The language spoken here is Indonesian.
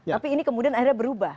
tapi ini kemudian akhirnya berubah